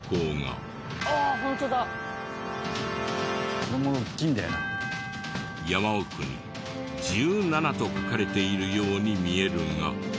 山奥に「１７」と書かれているように見えるが。